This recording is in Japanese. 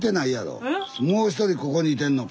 もう１人ここにいてんの。